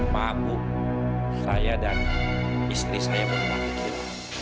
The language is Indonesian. mampu saya dan istri saya berpikir